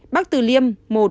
bắc từ liêm một